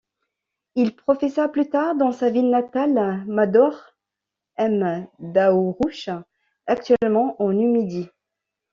Il professa plus tard dans sa ville natale Madaure M'daourouch actuellement, en Numidie.